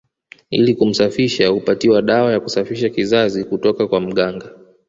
Ili kumsafisha hupatiwa dawa ya kusafisha kizazi kutoka kwa mganga